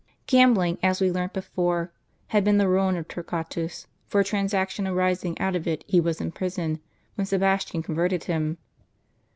Gambling, as we learnt before, had been the ruin of Tor quatus : for a transaction arising out of it he was in prison M^ when Sebastian converted him.